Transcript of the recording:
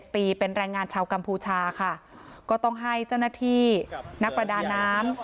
ปีเป็นแรงงานชาวกัมพูชาค่ะก็ต้องให้เจ้าหน้าที่นักประดาน้ำ